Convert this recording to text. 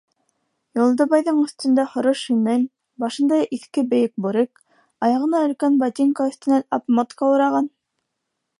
Юлдыбайҙың өҫтөндә һоро шинель, башында иҫке бейек бүрек, аяғына өлкән ботинка өҫтөнән обмотка ураған.